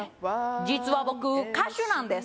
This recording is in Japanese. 実は僕歌手なんです